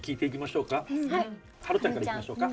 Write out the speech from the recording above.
芭路ちゃんからいきましょうか。